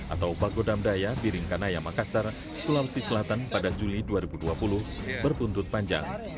atau bagodamdaya biringkanaya makassar sulawesi selatan pada juli dua ribu dua puluh berbuntut panjang